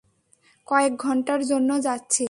কয়েক ঘন্টার জন্য যাচ্ছি।